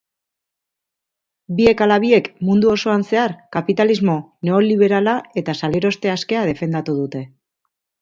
Biek ala biek mundu osoan zehar kapitalismo neoliberala eta saleroste askea defendatu dute.